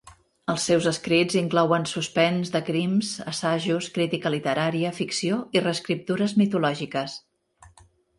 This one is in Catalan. Els seus escrits inclouen suspens de crims, assajos, crítica literària, ficció i reescriptures mitològiques.